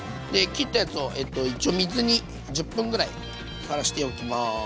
切ったやつを一応水に１０分ぐらいさらしておきます。